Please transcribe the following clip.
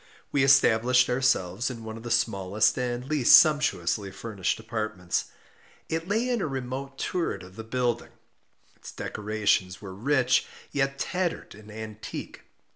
We established ourselves in one of the smallest and least sumptuously furnished apartments. It lay in a remote turret of the building. Its decorations were rich, yet tattered and antique.